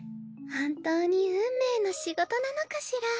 本当に運命の仕事なのかしら。